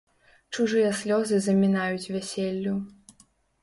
Чужыя слёзы замінаюць вяселлю.